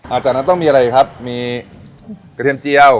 จากนั้นต้องมีอะไรครับมีกระเทียมเจียว